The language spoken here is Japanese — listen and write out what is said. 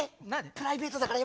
プライベートだからやめて。